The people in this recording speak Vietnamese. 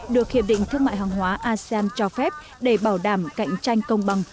được hiệp định thương mại hàng hóa asean cho phép để bảo đảm cạnh tranh công bằng